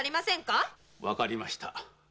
わかりました。